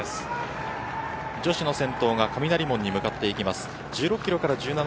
女子の先頭が雷門に向かっています。